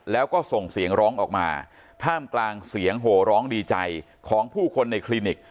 แล้วก็ส่งเสียงร้องออกมาท่ามกลางเสียงโหร้องดีใจของผู้คนในคลินิก